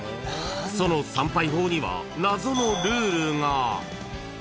［その参拝法には謎のルールが］